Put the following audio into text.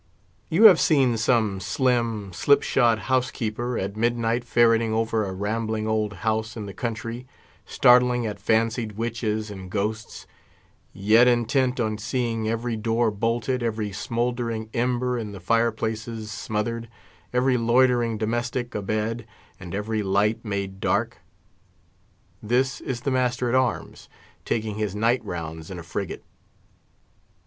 You have seen some slim, slip shod housekeeper, at midnight ferreting over a rambling old house in the country, startling at fancied witches and ghosts, yet intent on seeing every door bolted, every smouldering ember in the fireplaces smothered, every loitering domestic abed, and every light made dark. This is the master at arms taking his night rounds in a frigate.